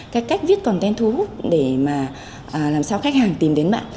cái cách viết content thu hút để mà làm sao khách hàng tìm đến bạn